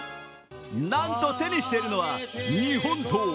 なんと、手にしているのは日本刀。